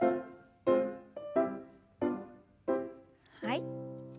はい。